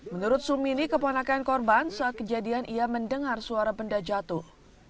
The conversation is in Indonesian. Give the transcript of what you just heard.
menurut sumini keponakan korban saat kejadian ia mendengar suara benda jatuh